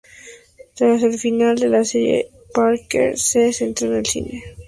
Tras el fin de la serie, Parker se centró en el cine.